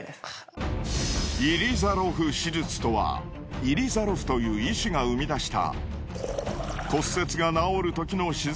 イリザロフ手術とはイリザロフという医師が生み出した。